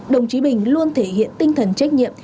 đồng chí bình luôn thể hiện tinh thần trách nhiệm